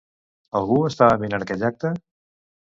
Algú estava mirant aquell acte?